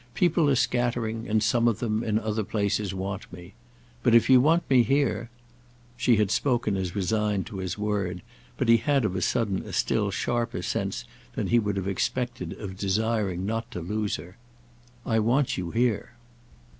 People are scattering, and some of them, in other places want me. But if you want me here—!" She had spoken as resigned to his word, but he had of a sudden a still sharper sense than he would have expected of desiring not to lose her. "I want you here."